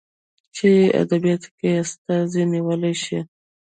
چې ادبياتو کې ته استادي نيولى شې.